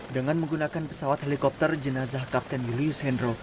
dengan menggunakan pesawat helikopter jenazah kapten julius hendro